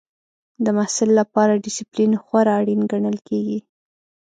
د محصل لپاره ډسپلین خورا اړین ګڼل کېږي.